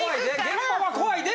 現場は怖いで。